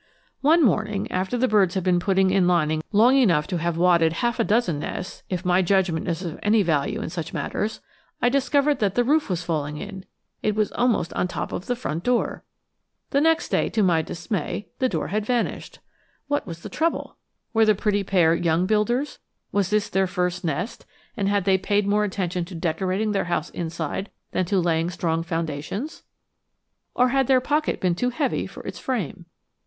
One morning after the birds had been putting in lining long enough to have wadded half a dozen nests if my judgment is of any value in such matters I discovered that the roof was falling in; it was almost on top of the front door! The next day, to my dismay, the door had vanished. What was the trouble? Were the pretty pair young builders; was this their first nest, and had they paid more attention to decorating their house inside than to laying strong foundations; or had their pocket been too heavy for its frame?